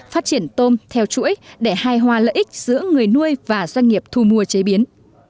phát triển tôm theo chuỗi để hài hòa lợi ích giữa người nuôi và doanh nghiệp thu mua chế biến